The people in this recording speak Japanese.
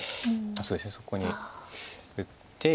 そうですねそこに打って。